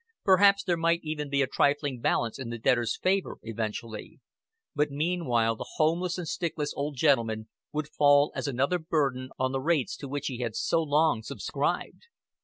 Perhaps there might even be a trifling balance in the debtor's favor eventually; but meanwhile the homeless and stickless old gentleman would fall as another burden on the rates to which he had so long subscribed.